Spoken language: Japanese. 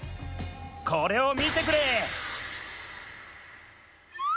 これをみてくれ！